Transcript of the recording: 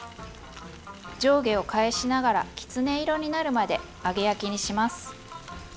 上下を返しながらきつね色になるまで揚げ焼きにします。